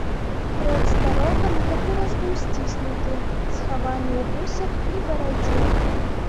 Рот старога на гэты раз быў сціснуты, схаваны ў вусах і барадзе.